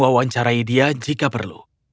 wawancarai dia jika perlu